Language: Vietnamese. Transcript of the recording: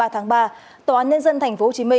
hai mươi ba tháng ba tòa án nhân dân tp hcm